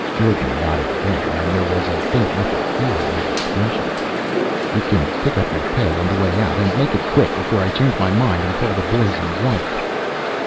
Jordan nodded again and there was a faint look of fear in his expression. "You can pick up your pay on the way out. And make it quick, before I change my mind and call the boys in white!"